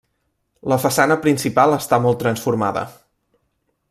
La façana principal està molt transformada.